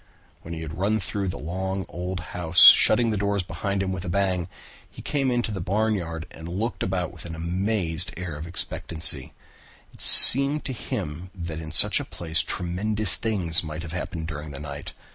When he had run through the long old house, shutting the doors behind him with a bang, he came into the barnyard and looked about with an amazed air of expectancy. It seemed to him that in such a place tremendous things might have happened during the night.